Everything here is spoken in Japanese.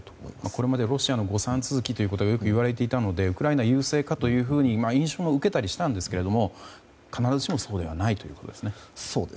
これまでロシアの誤算続きといわれていましたのでウクライナ優勢かという印象も受けたりしたんですけど必ずしもそうではないということですね。